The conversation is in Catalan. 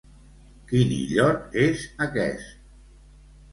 Quin illot és aquest?